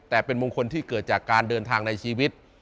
แต่เป็นมงคลที่เกิดจากการเดินทางในชีวิต